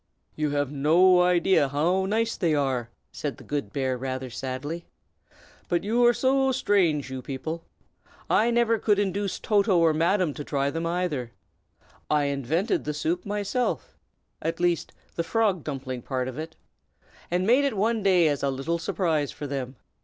"You have no idea how nice they are," said the good bear, rather sadly. "But you are so strange, you people! I never could induce Toto or Madam to try them, either. I invented the soup myself, at least the frog dumpling part of it, and made it one day as a little surprise for them.